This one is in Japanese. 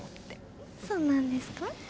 そうなんですか？